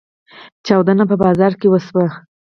چاودنه په بازار کې وشوه.